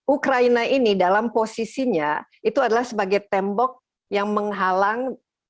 ukraina ini dalam posisinya itu adalah sebagai tembok yang menghalang